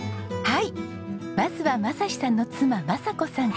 はいまずは雅士さんの妻まさ子さん。